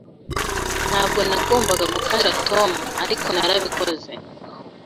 Ntabwo nagombaga gufasha Tom, ariko narabikoze.